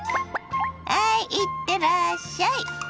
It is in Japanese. ハイいってらっしゃい。